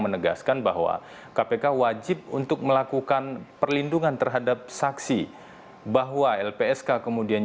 menegaskan bahwa kpk wajib untuk melakukan perlindungan terhadap saksi bahwa lpsk kemudian